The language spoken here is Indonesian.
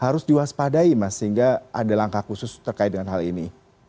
harus diwaspadai mas sehingga ada langkah khusus terkait dengan hal ini